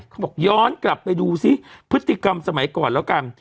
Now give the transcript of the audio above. บอกย้อนกลับไปดูซิพฤติกรรมสมัยก่อนแล้วกัน